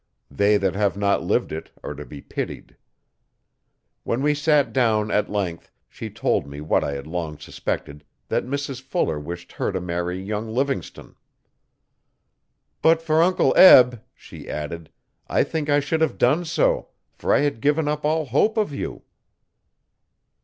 They that have not lived it are to be pitied. When we sat down at length she told me what I had long suspected, that Mrs Fuller wished her to marry young Livingstone. 'But for Uncle Eb,' she added, 'I think I should have done so for I had given up all hope of you.'